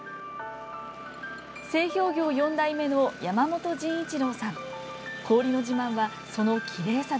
製氷業４代目の山本仁一郎さん。